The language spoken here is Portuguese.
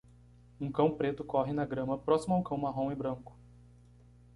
Um cão preto corre na grama próximo a um cão marrom e branco.